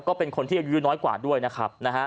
ก็เป็นคนที่อายุน้อยกว่าด้วยนะครับ